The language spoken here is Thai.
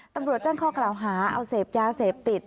ตำรวจแจ้งข้อกล่าวหาเอาเสพยาเสพติด